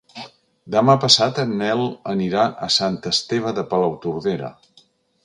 Demà passat en Nel anirà a Sant Esteve de Palautordera.